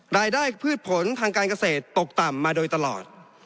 พืชผลทางการเกษตรตกต่ำมาโดยตลอด